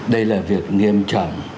đây là việc nghiêm trọng